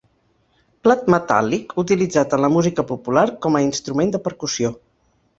Plat metàl·lic utilitzat en la música popular com a instrument de percussió.